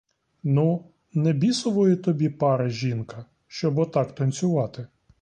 Ну, не бісової тобі пари жінка — щоб отак танцювати!